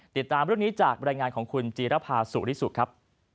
ติดตามเรื่องนี้จากบรรยายงานของคุณจีรภาสุริสุครับ